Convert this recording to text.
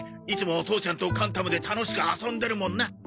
いつも父ちゃんとカンタムで楽しく遊んでるもんな。